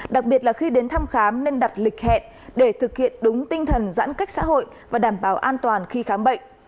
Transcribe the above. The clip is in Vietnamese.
đặc biệt là khi đến thăm khám nên đặt lịch hẹn để thực hiện đúng tinh thần giãn cách xã hội và đảm bảo an toàn khi khám bệnh